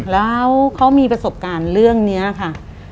แล้วเขามีประสบการณ์เรื่องนี้ค่ะ